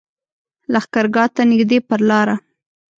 لښکرګاه ته نږدې پر لاره.